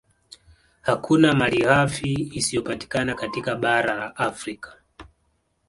Hakuna malighafi isiyopatikana katika bara la Afrika